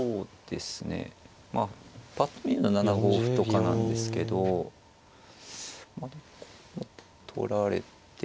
まあぱっと見は７五歩とかなんですけどまあでも取られて。